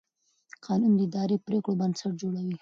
قانون د اداري پرېکړو بنسټ جوړوي.